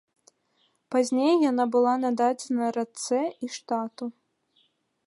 Пазней яна была нададзена рацэ і штату.